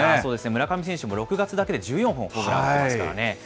村上選手も６月だけで１４本ホームラン打ってますからね。